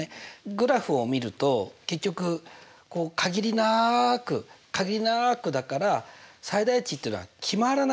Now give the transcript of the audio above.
グラフを見ると結局限りなく限りなくだから最大値っていうのは決まらないんだよね。